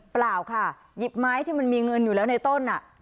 เปล่าค่ะหยิบไม้ที่มันมีเงินอยู่แล้วในต้น